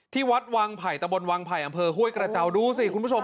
ที่วัดแตบลวางไผ่อำเภอห่วยกระจาวดูสิคุณผู้ชม